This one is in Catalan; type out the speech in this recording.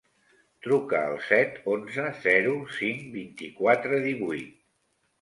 Truca al set, onze, zero, cinc, vint-i-quatre, divuit.